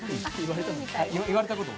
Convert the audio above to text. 言われたことを。